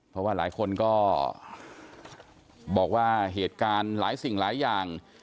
เพราะว่าหลายคนก็บอกว่าเหตุการณ์หลายสิ่งหลายอย่าง